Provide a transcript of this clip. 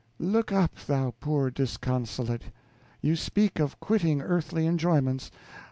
Look up, thou poor disconsolate; you speak of quitting earthly enjoyments.